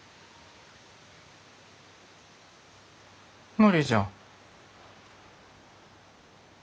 無理じゃ。